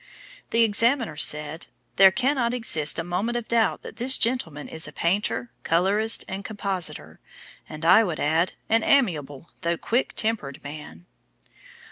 The examiner said: "There cannot exist a moment of doubt that this gentleman is a painter, colourist, and compositor, and, I would add, an amiable though quick tempered man."